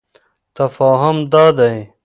تفاهم دادی: